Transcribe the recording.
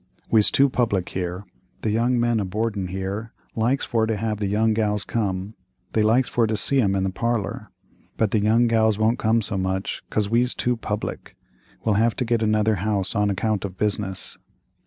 We's too public here; the young men a boardin' here likes for to have the young gals come, they likes for to see 'em in the parlor, but the young gals won't come so much, 'cause we's too public. We'll have for to get another house on account of business.